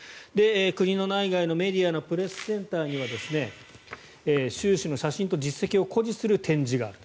国の内外のメディアのプレスセンターには習氏の写真と実績を誇示する展示がある。